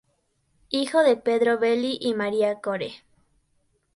Hijo de Pedro Belli y María Core.